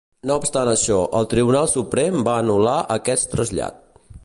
No obstant això, el Tribunal Suprem va anul·lar aquest trasllat.